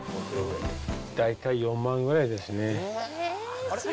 大体４万ぐらいですね。